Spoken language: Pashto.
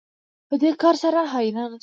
په دې کار سره حیرانه شو